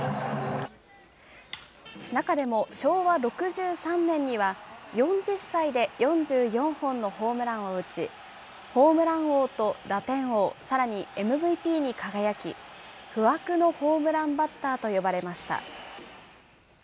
中でも昭和６３年には、４０歳で４４本のホームランを打ち、ホームラン王と打点王、さらにＭＶＰに輝き、不惑のホームランバッターと呼ばれました。